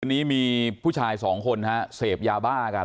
วันนี้มีผู้ชายสองคนฮะเสพยาบ้ากัน